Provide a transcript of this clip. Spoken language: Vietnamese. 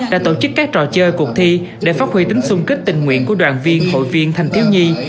đã tổ chức các trò chơi cuộc thi để phát huy tính sung kích tình nguyện của đoàn viên hội viên thanh thiếu nhi